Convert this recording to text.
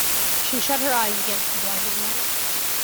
She shut her eyes against the blinding light.